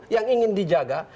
yang ingin dijaga